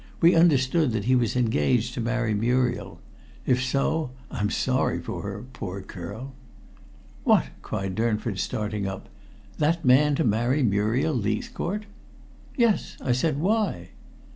"We understood that he was engaged to marry Muriel. If so, I'm sorry for her, poor girl." "What!" cried Durnford, starting up. "That man to marry Muriel Leithcourt?" "Yes," I said. "Why?"